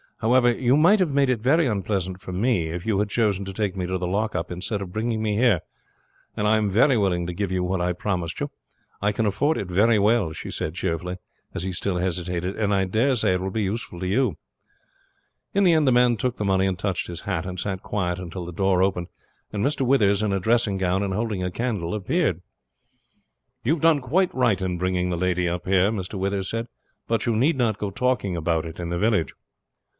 However, you might have made it very unpleasant for me if you had chosen to take me to the lockup instead of bringing me here, and I am very willing to give you what I promised you. I can afford it very well," she said cheerfully, as he still hesitated, "and I dare say it will be useful to you." The man took the money and touched his hat, and sat quiet until the door opened, and Mr. Withers in a dressing gown and holding a candle appeared. "You have done quite right in bringing the lady up here," Mr. Withers said; "but you need not go talking about it in the village."